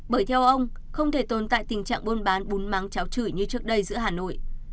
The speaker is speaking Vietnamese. bởi theo ông không thể tồn tại tình trạng bôn bán bún mắng cháo chửi như trước đây giữa hà nội